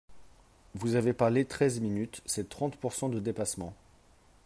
Vous avez parlé treize minutes, c’est trente pourcent de dépassement